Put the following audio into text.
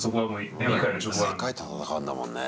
世界と戦うんだもんね。